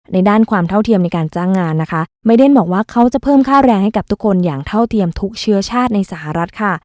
ด้านความเท่าเทียมในการจ้างงานนะคะไมเดนบอกว่าเขาจะเพิ่มค่าแรงให้กับทุกคนอย่างเท่าเทียมทุกเชื้อชาติในสหรัฐค่ะ